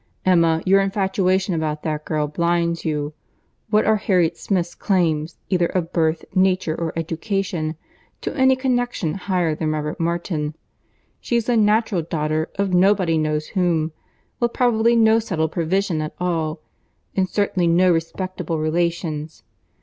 Emma, your infatuation about that girl blinds you. What are Harriet Smith's claims, either of birth, nature or education, to any connexion higher than Robert Martin? She is the natural daughter of nobody knows whom, with probably no settled provision at all, and certainly no respectable relations.